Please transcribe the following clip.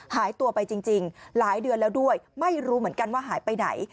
หายตัวไปจริงหลายเดือนแล้วด้วยไม่รู้เหมือนกันว่าหายไปไหน